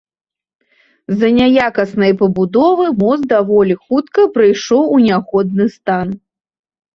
З-за няякаснай пабудовы мост даволі хутка прыйшоў у нягодны стан.